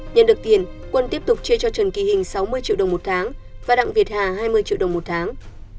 nhận được tiền quân tiếp tục chia cho trần kỳ hình sáu mươi triệu đồng một tháng và đặng việt hà hai mươi triệu đồng một tháng